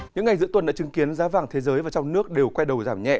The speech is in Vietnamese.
những ngày giữa tuần đã chứng kiến giá vàng thế giới và trong nước đều quay đầu giảm nhẹ